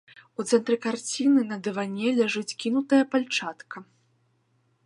У цэнтры карціны на дыване ляжыць кінутая пальчатка.